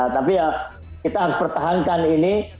tapi ya kita harus pertahankan ini